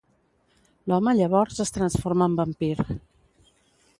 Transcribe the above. L'home llavors es transforma en vampir.